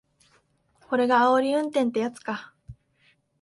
これがあおり運転ってやつか